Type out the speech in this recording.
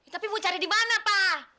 tapi mau cari di mana pak